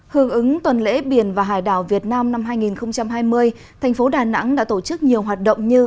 hướng ứng tuần lễ biển và hải đảo việt nam năm hai nghìn hai mươi thành phố đà nẵng đã tổ chức nhiều hoạt động như